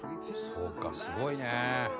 そうかすごいね。